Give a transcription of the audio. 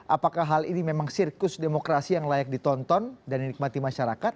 apakah hal ini memang sirkus demokrasi yang layak ditonton dan dinikmati masyarakat